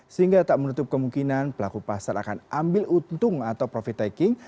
sehingga tak menutup kemungkinan pelaku pasar akan ambil untung atau profit taking